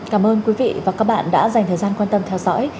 cảm ơn quý vị và các bạn đã dành thời gian quan tâm theo dõi